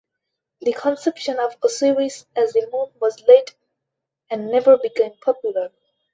The conception of Osiris as the moon was late and never became popular.